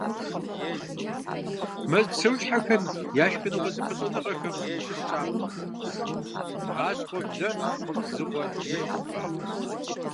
Мэз псэущхьэхэм я шхыныгъуэ зэпыщӏэныгъэхэм щыщ щапхъэ: бгъащхъуэ – блэ – дзыгъуэ – мышхумпӏэ.